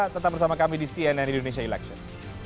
tetap bersama kami di cnn indonesia election